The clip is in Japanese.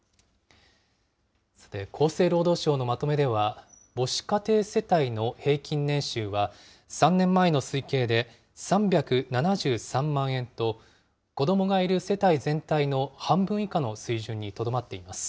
厚生労働省のまとめでは母子家庭世帯の平均年収は、３年前の推計で３７３万円と、子どもがいる世帯全体の半分以下の水準にとどまっています。